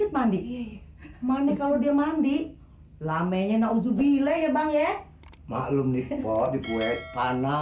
mandi kalau dia mandi lamanya na'udzubillah ya bang ya maklum nih